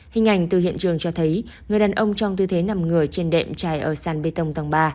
hình ảnh từ hiện trường cho thấy người đàn ông trong tư thế nằm người trên đệm tràn ở sàn bê tông tầng ba